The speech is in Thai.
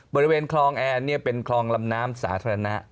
บริเวณคลองแอนเป็นคลองลำน้ำสาธารณะ